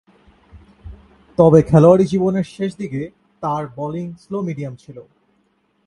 তবে খেলোয়াড়ী জীবনের শেষদিকে তার বোলিং স্লো-মিডিয়াম ছিল।